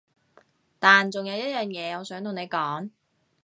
但仲有一樣嘢我想同你講